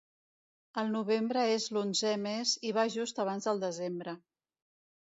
El novembre és l'onzè mes i va just abans del desembre.